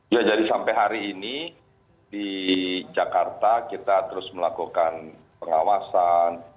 ya jadi sampai hari ini di jakarta kita terus melakukan pengawasan